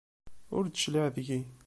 Ur d-tecliɛ deg-i.